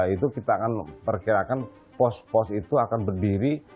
itu kita akan perkirakan pos pos itu akan berdiri